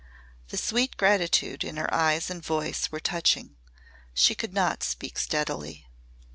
The sweet gratitude in her eyes and voice were touching. She could not speak steadily.